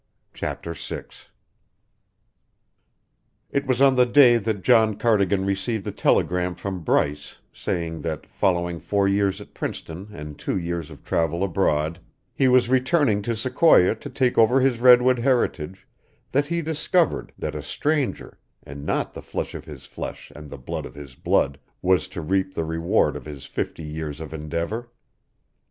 CHAPTER VI It was on the day that John Cardigan received the telegram from Bryce saying that, following four years at Princeton and two years of travel abroad, he was returning to Sequoia to take over his redwood heritage that he discovered that a stranger and not the flesh of his flesh and the blood of his blood was to reap the reward of his fifty years of endeavour.